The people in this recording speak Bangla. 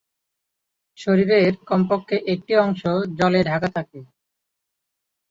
শরীরের কমপক্ষে একটি অংশ জলে ঢাকা থাকে।